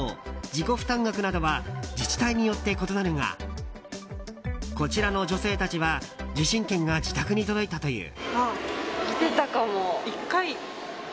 自己負担額などは自治体によって異なるがこちらの女性たちは受診券が自宅に届いたという。